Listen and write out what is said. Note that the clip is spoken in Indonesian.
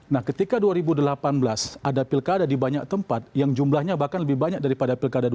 nah ketika dua ribu delapan belas ada pilkada di banyak tempat yang jumlahnya bahkan lebih banyak daripada pilkada dua ribu delapan